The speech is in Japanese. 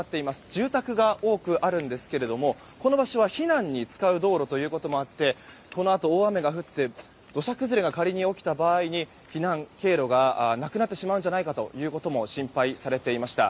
住宅が多くあるんですがこの場所は避難に使う道路ということもあってこのあと大雨が降って土砂崩れが仮に起きた場合に避難経路がなくなってしまうんじゃないかということも心配されていました。